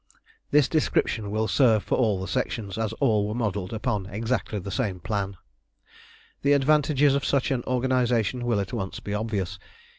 This description will serve for all the Sections, as all were modelled upon exactly the same plan. The advantages of such an organisation will at once be obvious.